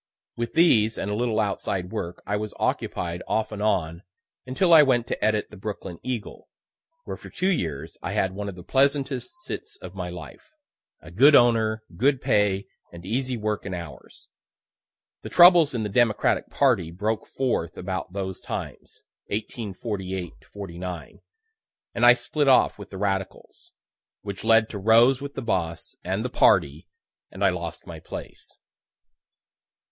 With these and a little outside work I was occupied off and on, until I went to edit the "Brooklyn Eagle," where for two years I had one of the pleasantest sits of my life a good owner, good pay, and easy work and hours. The troubles in the Democratic party broke forth about those times (1848 '49) and I split off with the radicals, which led to rows with the boss and "the party," and I lost my place.